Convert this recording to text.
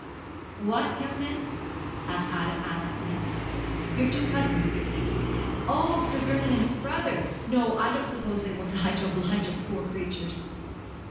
'What young men?' asked Ida, absently. 'Your two cousins.' 'Oh, Sir Vernon and his brother. No, I don't suppose they will die to oblige us poor creatures.'